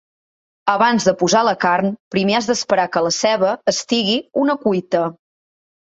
Abans de posar la carn, primer has d'esperar que la ceba estigui una cuita.